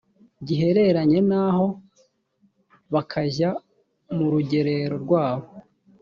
gihereranye n aho bakajya mu rugerero rwabo